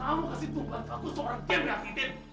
kamu kasih tumpang aku seorang jembat idin